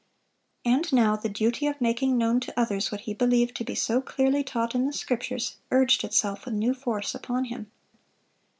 And now the duty of making known to others what he believed to be so clearly taught in the Scriptures, urged itself with new force upon him.